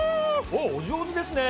お上手ですね